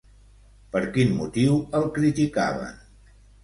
Per quin motiu el criticaven?